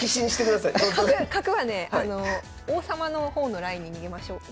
角はね王様の方のラインに逃げましょう。